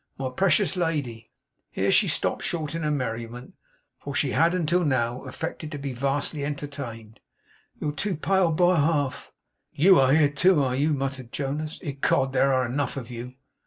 My precious lady,' here she stopped short in her merriment, for she had until now affected to be vastly entertained, 'you're too pale by half!' 'YOU are here too, are you?' muttered Jonas. 'Ecod, there are enough of you.